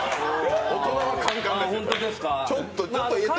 大人はカンカンですよ。